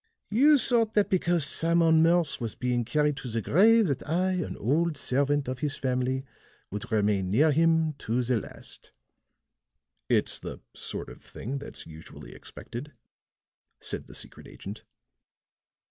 "You thought that because Simon Morse was being carried to the grave that I, an old servant of his family, would remain near him to the last." "It's the sort of thing that's usually expected," said the secret agent.